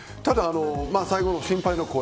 最後の心配の声